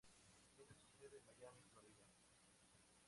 Tiene su sede en Miami, Florida.